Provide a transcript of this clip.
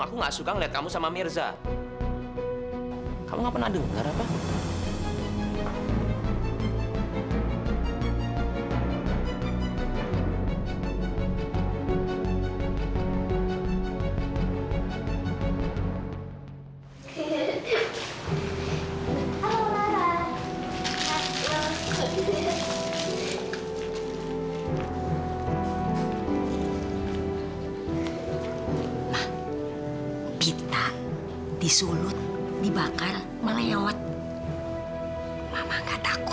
aku gak marah sama kamu